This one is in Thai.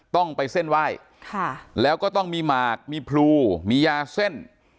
ต้องไปเส้นไหว้แล้วก็ต้องมีหมากมีพลูมียาเส้น